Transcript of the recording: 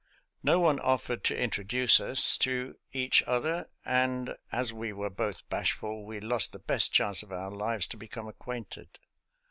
No one offered to introduce us to each other, and, as we were both bashful, we lost the best chance of our lives to become ac quainted.